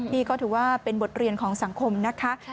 นี่ก็ถือว่าเป็นบทเรียนของสังคมนะคะ